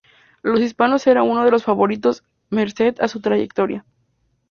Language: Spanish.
Los hispanos eran uno de los favoritos merced a su trayectoria.